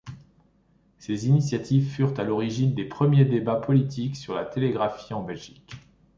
Ces initiatives furent à l'origine des premiers débats politiques sur la télégraphie en Belgique.